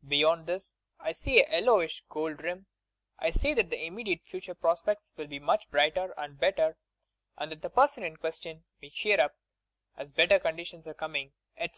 just beyond this, I see a yellowish golden rim, I state that the immediate future prospects will be much brighter and better and that the person in ques tion may ebeer np, as better conditions are coming, etc.